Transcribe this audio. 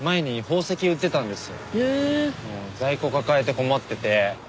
在庫抱えて困ってて。